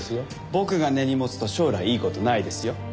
僕が根に持つと将来いい事ないですよ。